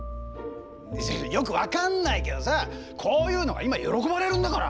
よく分かんないけどさこういうのが今喜ばれるんだから。